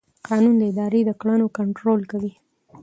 قانون د ادارې د کړنو کنټرول کوي.